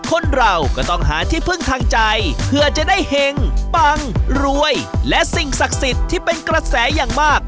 คนเราก็ต้องหาที่พึ่งทางใจเพื่อจะได้เห็งปังรวยและสิ่งศักดิ์สิทธิ์ที่เป็นกระแสอย่างมาก